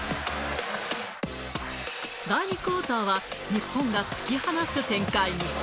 第２クオーターは日本が突き放す展開に。